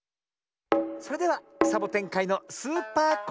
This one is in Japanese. それではサボテンかいのスーパー